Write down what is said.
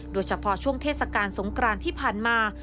โดยเฉพาะช่วงเทศกาลสงกรานที่ผ่านมา